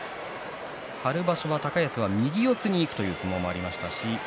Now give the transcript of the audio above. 春場所は高安は右四つにいくという相撲もありました。